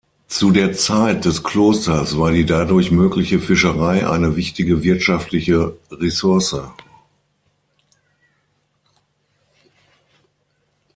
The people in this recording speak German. Zu der Zeit des Klosters war die dadurch mögliche Fischerei eine wichtige wirtschaftliche Ressource.